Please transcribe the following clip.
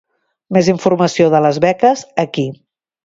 Més informació de les beques aquí.